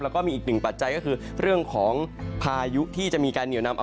แล้วก็มีอีกหนึ่งปัจจัยก็คือเรื่องของพายุที่จะมีการเหนียวนำ